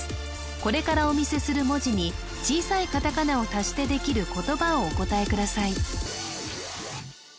これからお見せする文字に小さいカタカナを足してできる言葉をお答えください